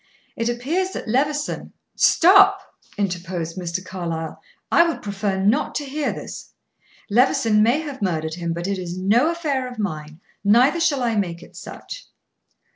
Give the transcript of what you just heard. It appears that Levison " "Stop!" interposed Mr. Carlyle. "I would prefer not to hear this. Levison may have murdered him, but it is no affair of mine, neither shall I make it such."